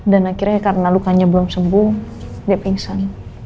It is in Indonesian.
dan akhirnya karena lukanya belum sembuh dia pingsan